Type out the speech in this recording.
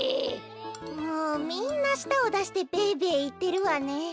もうみんなしたをだしてべべいってるわね。